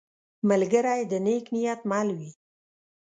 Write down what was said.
ملګری د نیک نیت مل وي